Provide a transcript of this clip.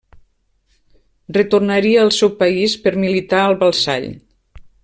Retornaria al seu país per militar al Walsall.